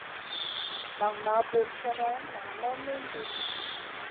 Nan na buur sènè nang may mindi.